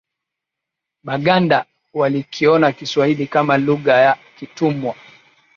Baganda walikiona kiswahili kama lugha ya kitumwa